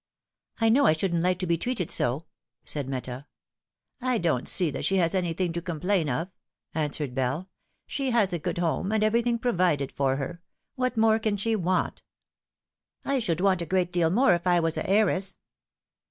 " I know I shouldn t like to be treated so," said Meta. " /don't see that she has anything to complain of," answered Bell. " She has a good"home, and everything provided for her. What more can she want ?" "I should want a good deal more if I was a heiress."